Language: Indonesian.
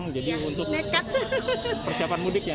jadi untuk persiapan mudik ya